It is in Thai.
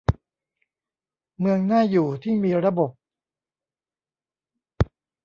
เมืองน่าอยู่ที่มีระบบ